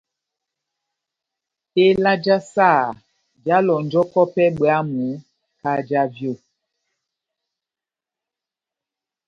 Tela já saha jáhalɔnjɔkɔ pɛhɛ bwámu kahá já vyo.